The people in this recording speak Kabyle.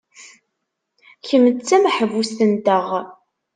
Kemm d tameḥbust-nteɣ.